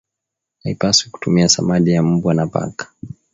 haipaswi kutumia samadi ya mbwa na paka